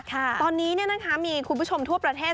ตอนนี้มีคุณผู้ชมทั่วประเทศ